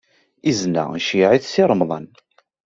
Izen-a iceyyeɛ-it Si Remḍan